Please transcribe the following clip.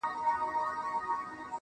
خو د دوی د پاچهۍ نه وه رنګونه.!